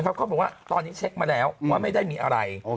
เขาบอกว่าตอนนี้เช็คมาแล้วว่าไม่ได้มีอะไร